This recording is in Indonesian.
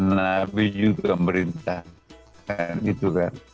nabi juga merintahkan gitu kan